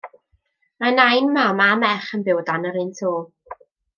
Mae nain, mam a merch yn byw o dan yr unto.